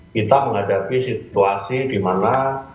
kita menghadapi situasi di mana